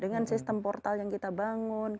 dengan sistem portal yang kita bangun